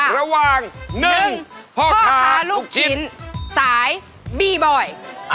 ระหว่าง๑พ่อค้าลูกชิ้นสายบีบอย